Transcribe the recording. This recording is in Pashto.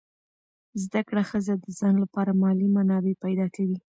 زده کړه ښځه د ځان لپاره مالي منابع پیدا کوي.